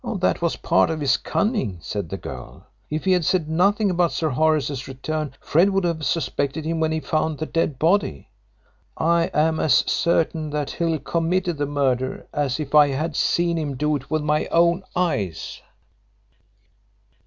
"That was part of his cunning," said the girl. "If he had said nothing about Sir Horace's return, Fred would have suspected him when he found the dead body. I'm as certain that Hill committed the murder as if I had seen him do it with my own eyes."